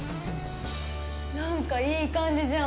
なんかいい感じじゃん。